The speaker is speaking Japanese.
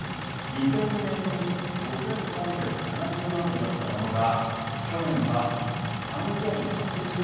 ２０００年に５，３７０万部だったものが去年は３，０８４万部まで減っています。